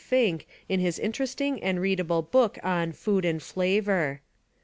Finck in hife interesting and readable book on "Food and Flavor."